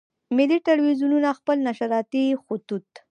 ملي ټلویزیونونه خپل نشراتي خطوط.